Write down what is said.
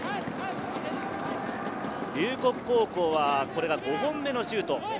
龍谷高校はこれが５本目のシュート。